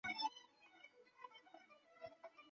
书中还指负面思想会显示负面的结果。